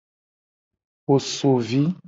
Wo so vi.